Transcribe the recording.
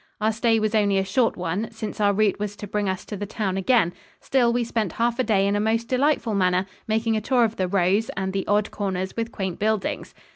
Our stay was only a short one, since our route was to bring us to the town again; still, we spent half a day in a most delightful manner, making a tour of the "rows" and the odd corners with quaint buildings.